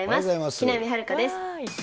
木南晴夏です。